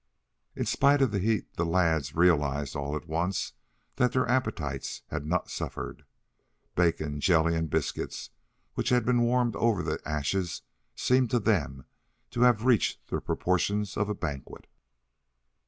In spite of the heat the lads realized all at once that their appetites had not suffered. Bacon, jelly and biscuits, which had been warmed over the ashes, seemed to them to have reached the proportions of a banquet.